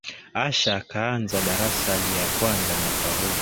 Asha kaanza darasa lya kwanza mwaka uu